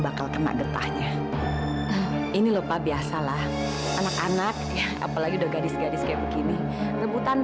bakal kena getahnya ini lupa biasalah anak anak apalagi udah gadis gadis kayak begini rebutan